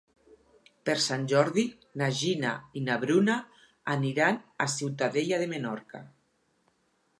Per Sant Jordi na Gina i na Bruna aniran a Ciutadella de Menorca.